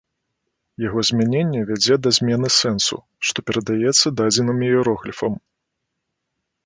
Яго змяненне вядзе да змены сэнсу, што перадаецца дадзеным іерогліфам.